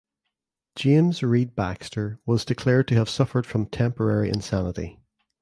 James Reid Baxter was declared to have suffered from temporary insanity.